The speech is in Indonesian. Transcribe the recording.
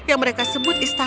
yang mereka sebut istana